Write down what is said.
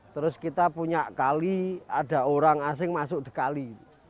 terus kita punya kali ada orang asing masuk dikali